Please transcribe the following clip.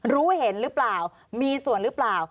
รู้เห็นหรือเปล่ามีส่วนหรือเปล่า